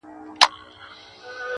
o که نقاب پر مخ نیازبینه په مخ راسې,